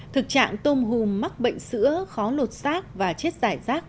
thực trạng tôm hùm mắc bệnh sữa khó lột xác và chết giải rác